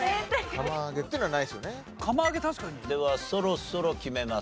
釜揚げ確かに。ではそろそろ決めますか。